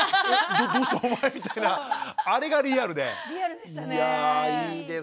あれがリアルで。